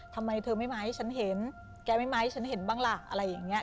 ทำไมเธอไม่มาให้ฉันเห็นแกไม่ไม้ฉันเห็นบ้างล่ะอะไรอย่างนี้